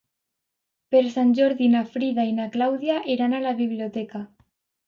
Per Sant Jordi na Frida i na Clàudia iran a la biblioteca.